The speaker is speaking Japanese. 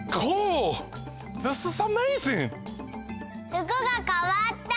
ふくがかわった！